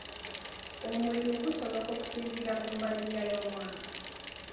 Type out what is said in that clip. Omulimu gusoboka okusinziira ku mbalirira y'omwaka?